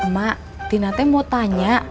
mak dina mau tanya